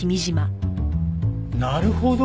なるほど！